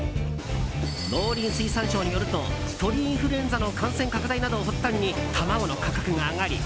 農林水産省によると鳥インフルエンザの感染拡大などを発端に卵の価格が上がり